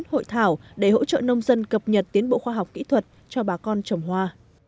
hội thảo để hỗ trợ nông dân cập nhật tiến bộ khoa học kỹ thuật cho bà con trồng hoa